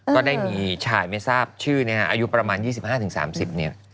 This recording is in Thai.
ก็ได้มีชายไม่ทราบชื่อนะฮะอายุประมาณ๒๕๓๐เนี่ย